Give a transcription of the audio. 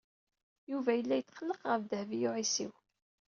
Yuba yella yetqelleq ɣef Dehbiya u Ɛisiw.